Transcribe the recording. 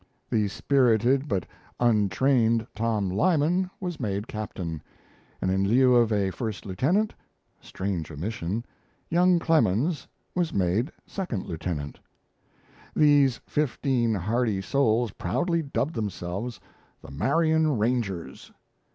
The spirited but untrained Tom Lyman was made captain; and in lieu of a first lieutenant strange omission! young Clemens was made second lieutenant. These fifteen hardy souls proudly dubbed themselves the Marion Rangers.